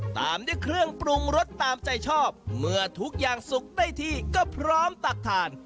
ตามด้วยเครื่องปรุงรสตามใจชอบเมื่อทุกอย่างสุกได้ที่ก็พร้อมตักทาน